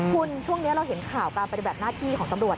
คุณช่วงนี้เราเห็นข่าวการปฏิบัติหน้าที่ของตำรวจ